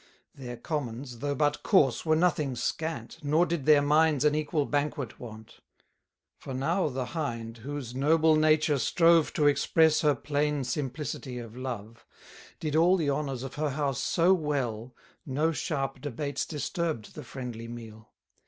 Their commons, though but coarse, were nothing scant, Nor did their minds an equal banquet want. For now the Hind, whose noble nature strove 30 To express her plain simplicity of love, Did all the honours of her house so well, No sharp debates disturb'd the friendly meal.